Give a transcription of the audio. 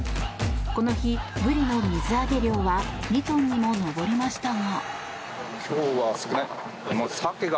この日、ブリの水揚げ量は２トンにも上りましたが。